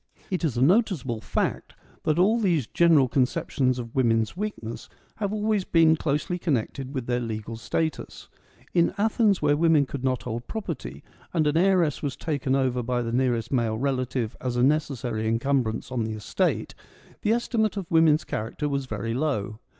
It is a noticeable fact that all these general con ceptions of women's weakness have always been closely connected with their legal status. In Athens, where women could not hold property, and an heiress was taken over by the nearest male relative as a necessary encumbrance on the estate, the estimate of woman's character was very low.